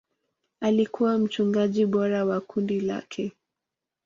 Alikuwa mchungaji bora wa kundi lake.